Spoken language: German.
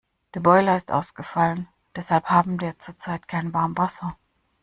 Der Boiler ist ausgefallen, deshalb haben wir zurzeit kein Warmwasser.